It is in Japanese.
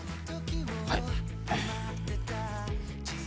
はい。